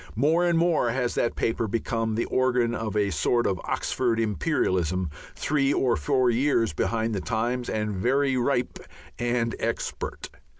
More and more has that paper become the organ of a sort of Oxford Imperialism, three or four years behind the times and very ripe and "expert."